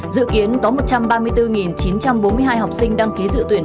dự kiến có một trăm ba mươi bốn chín trăm bốn mươi hai học sinh đăng ký dự tuyển